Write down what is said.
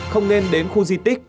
không nên đến khu di tích